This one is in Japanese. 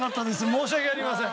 申し訳ありません。